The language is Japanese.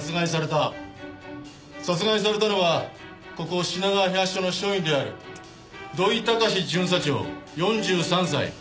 殺害されたのはここ品川東署の署員である土井崇巡査長４３歳。